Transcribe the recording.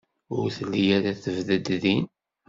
Ur telli ara tebded din.